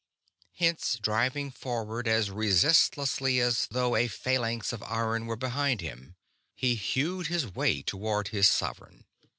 Hence, driving forward as resistlessly as though a phalanx of iron were behind him, he hewed his way toward his sovereign.